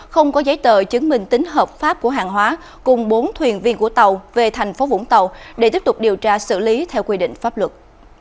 không có giấy tờ chứng minh tính hợp pháp của hàng hóa cùng bốn thuyền viên của tàu về thành phố vũng tàu để tiếp tục điều tra xử lý theo quy định pháp luật